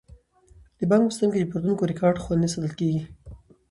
د بانک په سیستم کې د پیرودونکو ریکارډ خوندي ساتل کیږي.